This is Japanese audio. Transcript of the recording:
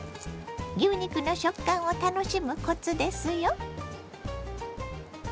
牛肉の食感を楽しむコツですよ。